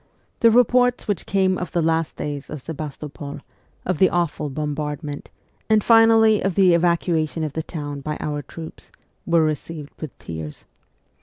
The reports which came of the last days of Sebastopol, of the awful bombardment, and finally of the evacuation of the town by our troops were received with tears.